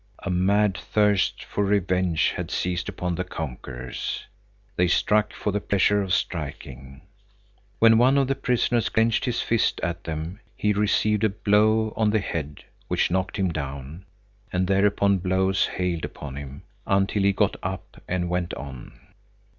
A mad thirst for revenge had seized upon the conquerors. They struck for the pleasure of striking. When one of the prisoners clenched his fist at them, he received a blow on the head which knocked him down, and thereupon blows hailed upon him, until he got up and went on.